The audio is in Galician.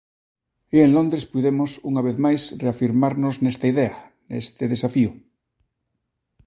E en Londres puidemos, unha vez máis, reafirmarnos nesta idea, neste desafío.